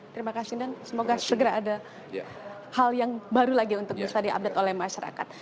terima kasih dan semoga segera ada hal yang baru lagi untuk bisa diupdate oleh masyarakat